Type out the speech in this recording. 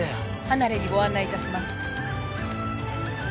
離れにご案内いたします。